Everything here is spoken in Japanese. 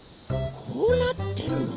こうなってるの？